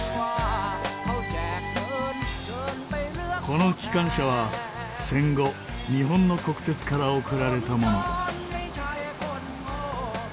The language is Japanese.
この機関車は戦後日本の国鉄から贈られたもの。